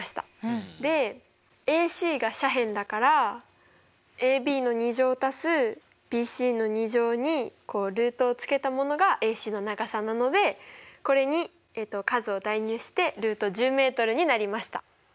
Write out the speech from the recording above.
でＡＣが斜辺だからＡＢの２乗足すＢＣの２乗にルートをつけたものがＡＣの長さなのでこれに数を代入してｍになりました。